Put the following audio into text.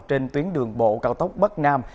trên tuyến đường bộ cao tốc bắc nam